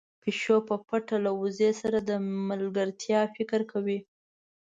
پيشو په پټه له وزې سره د ملګرتيا فکر کوي.